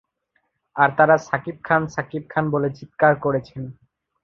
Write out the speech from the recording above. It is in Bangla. আর তারা ‘শাকিব খান, শাকিব খান’ বলে চিৎকার করেছেন।